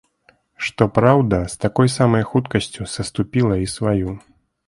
Што праўда, з такой самай хуткасцю саступіла і сваю.